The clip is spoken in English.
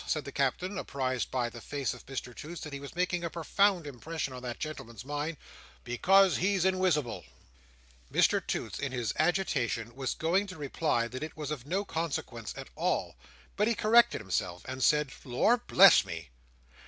said the Captain, apprised by the face of Mr Toots that he was making a profound impression on that gentleman's mind. "Because he's inwisible." Mr Toots in his agitation was going to reply that it was of no consequence at all. But he corrected himself, and said, "Lor bless me!"